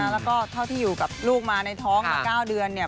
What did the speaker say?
แล้วก็เท่าที่อยู่กับลูกมาในท้องมา๙เดือนเนี่ย